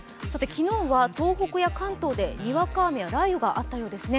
昨日は東北や関東でにわか雨や雷雨があったようですね。